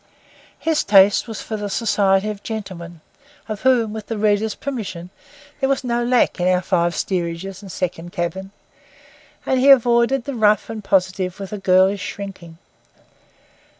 His taste was for the society of gentlemen, of whom, with the reader's permission, there was no lack in our five steerages and second cabin; and he avoided the rough and positive with a girlish shrinking.